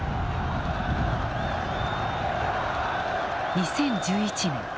２０１１年